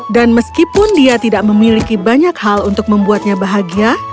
dan meskipun dia tidak memiliki banyak hal untuk membuatnya bahagia